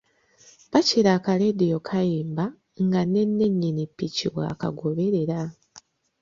Bakira akaleediyo kayimba nga ne nnyini ppiki bw’akagoberera.